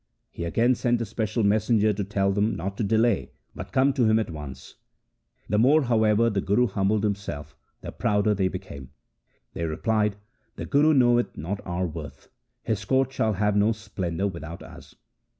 He again sent a special messenger to tell them not to delay, but come to him at once. The more, how ever, the Guru humbled himself, the prouder they became. They replied, ' The Guru knoweth not our worth. His court shall have no splendour without us.